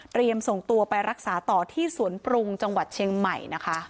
ส่งตัวไปรักษาต่อที่สวนปรุงจังหวัดเชียงใหม่นะคะ